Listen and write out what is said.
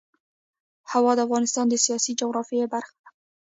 هوا د افغانستان د سیاسي جغرافیه برخه ده.